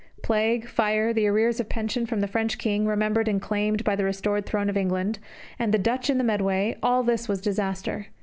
Plague, fire, the arrears of pension from the French King remembered and claimed by the restored throne of England, and the Dutch in the Medway all this was disaster.